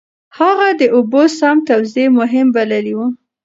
هغه د اوبو سم توزيع مهم بللی و.